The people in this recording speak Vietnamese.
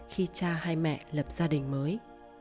khi cha hay mẹ lập gia đình mới